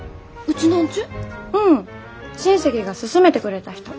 うん親戚が勧めてくれた人。